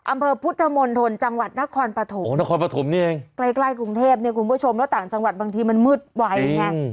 อำเภอพุทธมนตรจังหวัดนครปฐมใกล้กรุงเทพเนี่ยคุณผู้ชมแล้วต่างจังหวัดบางทีมันมืดไหวเนี่ย